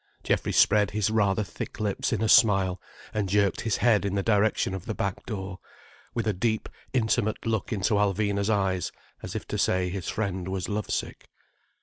Geoffrey spread his rather thick lips in a smile, and jerked his head in the direction of the back door, with a deep, intimate look into Alvina's eyes, as if to say his friend was lovesick.